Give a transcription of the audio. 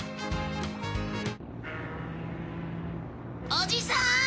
おじさーん！